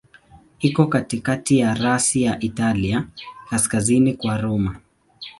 Iko katikati ya rasi ya Italia, kaskazini kwa Roma.